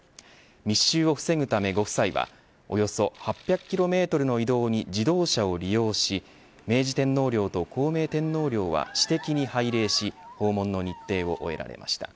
密集を防ぐため、ご夫妻はおよそ８００キロメートルの移動に自動車を利用し明治天皇陵と孝明天皇陵は私的に拝礼し訪問の日程を終えられました。